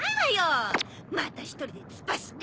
また一人で突っ走って。